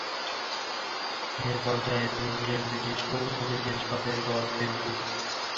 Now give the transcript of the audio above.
এই পর্যায়ে তিনি ছিলেন ব্রিটিশ ও উপনিবেশবাদের ঘোর বিরোধী।